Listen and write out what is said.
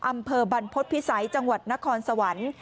อำเภอบรรพฤษภิษัยจังหวัดนครสวรรค์